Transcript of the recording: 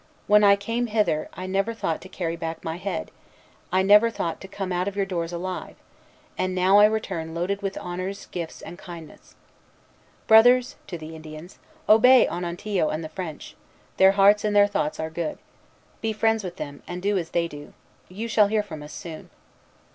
When I came hither, I never thought to carry back my head, I never thought to come out of your doors alive; and now I return loaded with honors, gifts, and kindness." "Brothers," to the Indians, "obey Onontio and the French. Their hearts and their thoughts are good. Be friends with them, and do as they do. You shall hear from us soon."